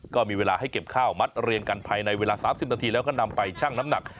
ก็มีเวลาให้เก็บข้าวมัดเรียงกันภายในเวลา๓๐นาทีแล้วก็นำไปชั่งน้ำหนัก